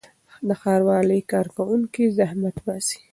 د ښاروالۍ کارکوونکي زحمت باسي.